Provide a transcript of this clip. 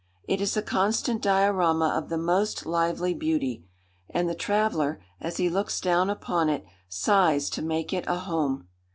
It is a constant diorama of the most lively beauty; and the traveller, as he looks down upon it, sighs to make it a home.